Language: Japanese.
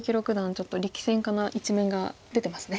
ちょっと力戦家な一面が出てますね。